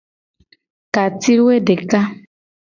Ka ci woe deka.